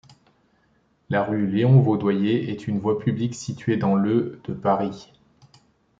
La rue Léon-Vaudoyer est une voie publique située dans le de Paris.